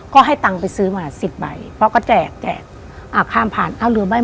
ก็ให้ตังค์ไปซื้อมาสิบใบเพราะก็แจกแจกอ่าข้ามผ่านเอ้าหรือไม่